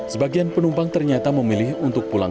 sebagian penumpang ternyata memilih untuk pulang